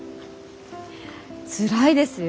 つらいですよ！